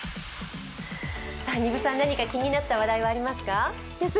丹生さん、何か気になった話題はありますか？